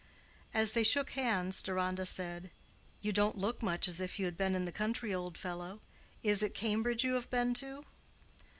As they shook hands, Deronda said, "You don't look much as if you had been in the country, old fellow. Is it Cambridge you have been to?"